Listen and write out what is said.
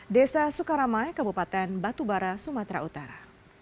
desa sukaramai kabupaten batubara sumatera utara